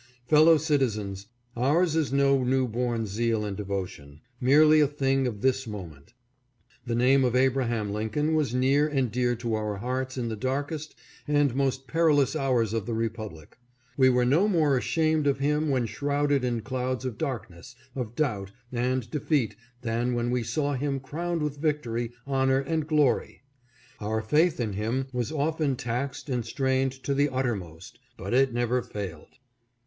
Fellow citizens, ours is no new born zeal and devotion — merely a thing of this moment. The name of Abra ham Lincoln was near and dear to our hearts in the darkest and most perilous hours of the Republic. We were no more ashamed of him when shrouded in clouds of darkness, of doubt, and defeat than when we saw him crowned with victory, honor, and glory. Our faith in him was often taxed and strained to the uttermost, but it never failed.